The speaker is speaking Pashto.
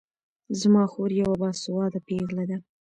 زما خور يوه باسواده پېغله ده